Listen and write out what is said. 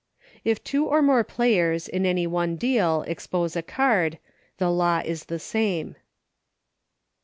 If two or more players, in any one deal, ex pose a card, the law is the same.